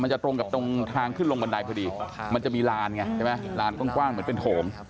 จะตรงกับตรงทางขึ้นลงบันไดพอดีมันจะมีลานไงใช่ไหมลานกว้างเหมือนเป็นโถง